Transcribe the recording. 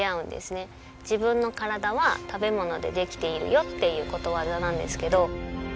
自分の体は食べ物でできているよっていうことわざなんですけど。